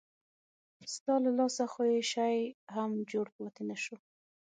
ستا له لاسه خو یو شی هم جوړ پاتې نه شو.